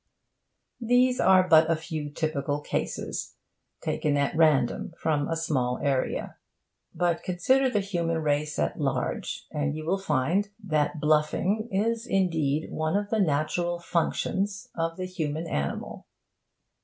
These are but a few typical cases, taken at random from a small area. But consider the human race at large, and you will find that 'bluffing' is indeed one of the natural functions of the human animal.